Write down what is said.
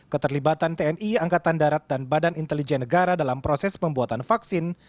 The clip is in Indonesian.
keterlibatan tni angkatan darat dan badan intelijen negara dalam proses pembuatan vaksin